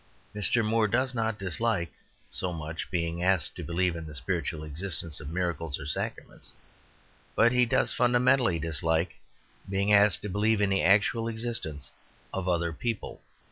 Mr. Moore does not dislike so much being asked to believe in the spiritual existence of miracles or sacraments, but he does fundamentally dislike being asked to believe in the actual existence of other people.